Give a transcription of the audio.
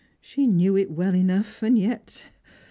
She knew it well enough, and yet